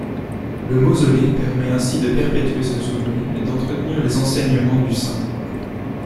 Le mausolée permet ainsi de perpétuer ce souvenir et d'entretenir les enseignements du saint.